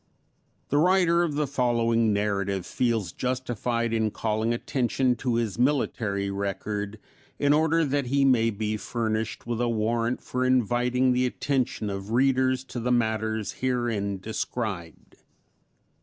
The writer of the following narrative feels justified in calling attention to his military record in order that he may be furnished with a warrant for inviting the attention of readers to the matters herein described.